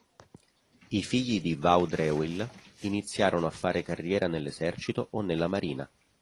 I figli di Vaudreuil iniziarono a fare carriera nell'esercito o nella marina.